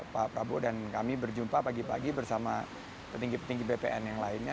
pak prabowo dan kami berjumpa pagi pagi bersama petinggi petinggi bpn yang lainnya